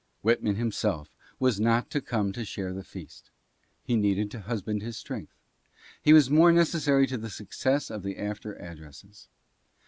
Whitman himself was not to come to share the feast. He needed to husband his strength. He was more necessary to the success of the after addresses.